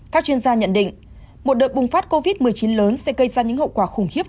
các chuyên gia nhận định một đợt bùng phát covid một mươi chín lớn sẽ gây ra những hậu quả khủng khiếp